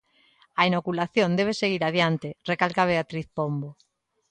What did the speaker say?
A inoculación debe seguir adiante, recalca Beatriz Pombo.